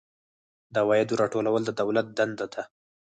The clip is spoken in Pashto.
د عوایدو راټولول د دولت دنده ده